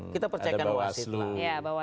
kita percayakan ada wasit lah